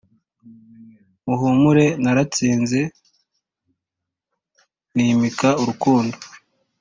muhumure naratsinze nimika urukundo